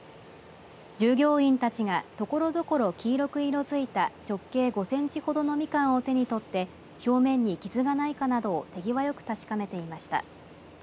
従業員たちがところどころ黄色く色づいた直径５センチほどのみかんを手に取って表面に傷がないかなどを手際よく確かめていました。